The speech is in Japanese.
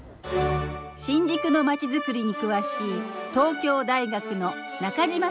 新宿の街づくりに詳しい東京大学の中島先生です。